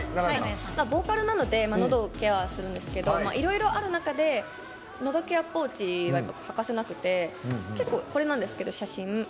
ボーカルなのでのどのケアはするんですけどいろいろある中で喉ケアポーチは欠かせなくてこれなんですけど写真。